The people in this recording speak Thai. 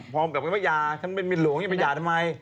พร้อมกับคุณมาหย่าฉันเป็นมีนหลวงฉันไม่หย่าทำไม